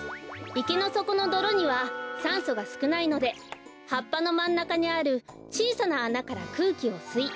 いけのそこのどろにはさんそがすくないのではっぱのまんなかにあるちいさなあなからくうきをすい